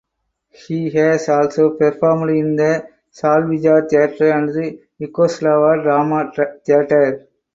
He has also performed in the Slavija Theatre and the Yugoslav Drama Theatre.